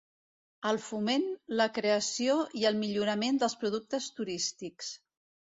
El foment, la creació i el millorament dels productes turístics.